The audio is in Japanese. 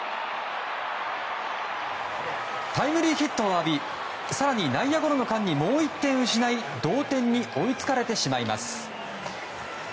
タイムリーヒットを浴び更に、内野ゴロの間にもう１点失い同点に追いつかれてしまいます。